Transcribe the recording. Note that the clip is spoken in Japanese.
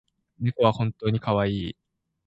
猫は本当にかわいい